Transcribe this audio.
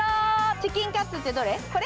チキンカツってどれ？